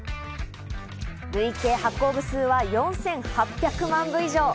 累計発行部数は４８００万部以上。